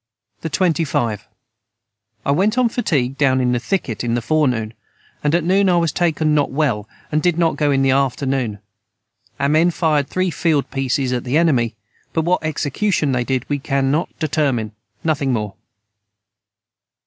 the 25. I went on fatigue down in the thicket in the forenoon and at noon I was taken not well and did not go in the afternoon our men fired three field peices at the enemy but what execution they did we canot determine nothing more.